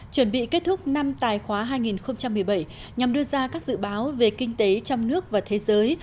chuẩn bị kết thúc năm tài khoá hai nghìn một mươi bảy nhằm đưa ra các dự báo về kinh tế trong nước và thế giới